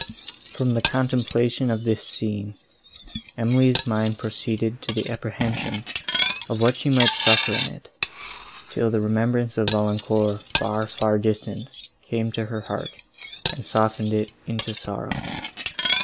From the contemplation of this scene, Emily's mind proceeded to the apprehension of what she might suffer in it, till the remembrance of Valancourt, far, far distant! came to her heart, and softened it into sorrow.